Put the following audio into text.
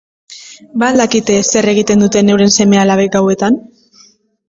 Ba al dakite zer egiten duten euren seme-alabek gauetan?